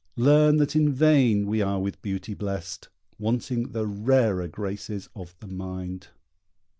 Learn that in vain we are with beauty blest, Wanting the rarer graces of the mind.